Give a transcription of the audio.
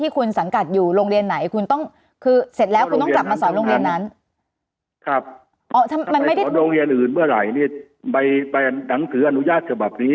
คุณสังกัดอยู่โรงเรียนไหนคุณต้องคือเสร็จแล้วคุณต้องกลับมาสอนโรงเรียนนั้นครับ